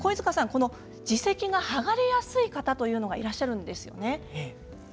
耳石が剥がれやすい方というのがいらっしゃるんですよね。